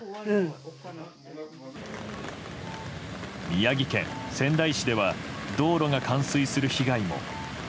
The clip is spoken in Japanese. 宮城県仙台市では道路が冠水する被害も。